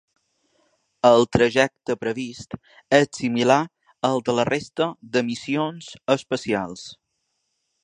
El trajecte previst és similar al de la resta de missions espacials.